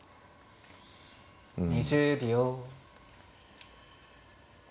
２０秒。